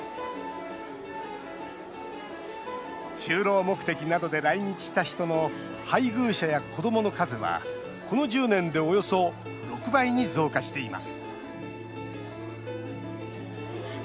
就労目的などで来日した人の配偶者や子どもの数はこの１０年でおよそ６倍に増加しています。